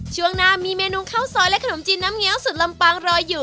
ช่วงหน้ามีเมนูข้าวซอยและขนมจีนน้ำเงี้ยวสุดลำปางรออยู่